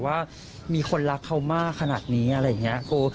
ว่ามีคนรักเขามากขนาดนี้อะไรอย่างนี้